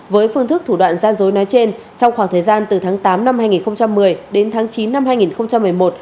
với phương thức thủ đoạn gian dối nói trên trong khoảng thời gian từ tháng tám năm hai nghìn một mươi đến tháng chín năm hai nghìn một mươi một